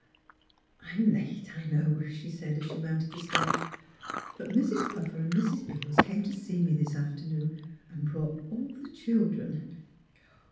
"I'm late, I know," she said, as she mounted the steps, *' but Mrs. Puffer and Mrs. Beels came to see me this afternoon and brought all the chil dren."